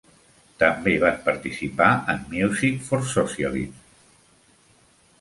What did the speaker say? També van participar en Music For Socialism.